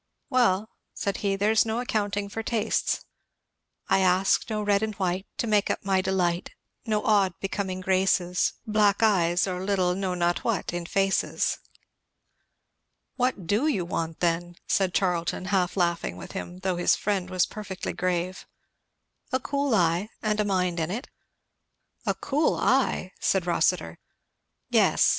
"Well," said he, "there's no accounting for tastes 'I ask no red and white To make up my delight, No odd becoming graces, Black eyes, or little know not what in faces.'" "What do you want then?" said Charlton, half laughing at him, though his friend was perfectly grave. "A cool eye, and a mind in it." "A cool eye!" said Rossitur. "Yes.